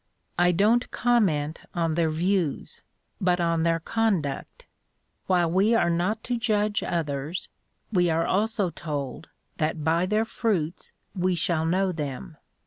"I don't comment on their views, but on their conduct. While we are not to judge others, we are also told that by their fruits we shall know them.